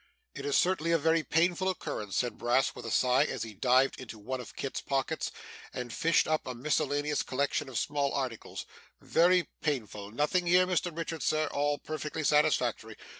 'It is certainly a very painful occurrence,' said Brass with a sigh, as he dived into one of Kit's pockets, and fished up a miscellaneous collection of small articles; 'very painful. Nothing here, Mr Richard, Sir, all perfectly satisfactory.